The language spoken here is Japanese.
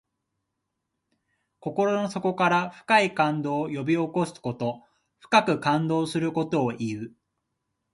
心の底から深い感動を呼び起こすこと。深く感動することをいう。